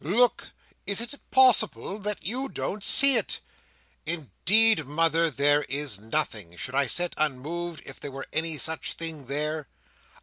Look! Is it possible that you don't see it?" "Indeed, mother, there is nothing. Should I sit unmoved, if there were any such thing there?"